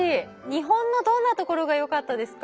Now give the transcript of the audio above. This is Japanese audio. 日本のどんなところがよかったですか？